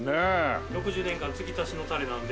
６０年間つぎ足しのタレなので。